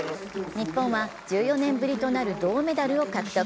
日本は１４年ぶりとなる銅メダルを獲得。